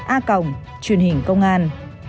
a cộng truyền hình công an